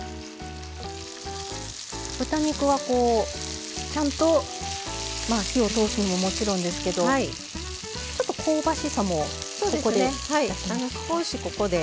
豚肉は、ちゃんと火を通すのももちろんですけども香ばしさも、ここで。